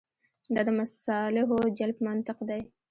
دا د مصالحو جلب منطق دی.